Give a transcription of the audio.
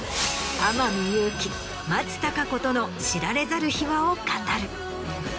天海祐希松たか子との知られざる秘話を語る。